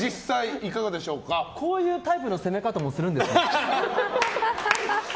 こういうタイプの攻め方もするんですね。